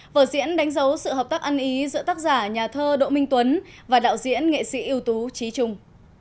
vở diễn đánh dấu sự hợp tác ăn ý giữa tác giả nhà thơ đỗ minh tuấn và đạo diễn nghệ sĩ ưu tú trí trung